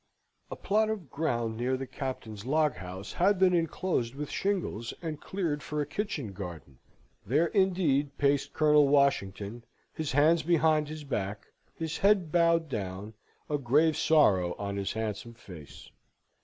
A plot of ground near the Captain's log house had been enclosed with shingles, and cleared for a kitchen garden; there indeed paced Colonel Washington, his hands behind his back, his head bowed down, a grave sorrow on his handsome face.